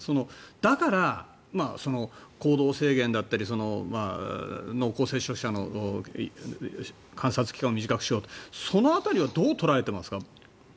だから、行動制限だったり濃厚接触者の観察期間を短くしたりその辺りはどう捉えていますか？